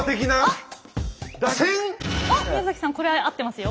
おっ宮崎さんこれ合ってますよ。